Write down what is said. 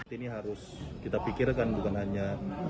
ini harus kita pikirkan bukan hanya